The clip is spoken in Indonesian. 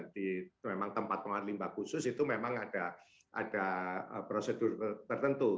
di tempat pengarlimba khusus itu memang ada prosedur tertentu